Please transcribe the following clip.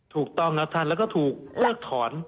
ถูกต้องนัดทันแล้วก็ถูกเมือกถอน